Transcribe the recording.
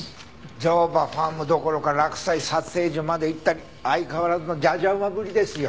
乗馬ファームどころか洛西撮影所まで行ったり相変わらずのじゃじゃ馬ぶりですよ。